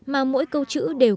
mà mỗi câu chữ đều có dấu